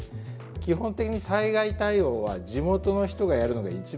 基本的に災害対応は地元の人がやるのが一番いいです。